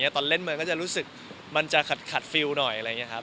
ตอนเล่นมันก็จะรู้สึกขัดฟิวหน่อย